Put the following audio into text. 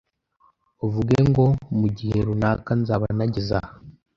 uvuge ngo mu gihe runaka nzaba nageze aha